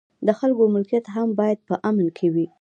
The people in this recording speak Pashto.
د خلکو ملکیت هم باید په امن کې وي.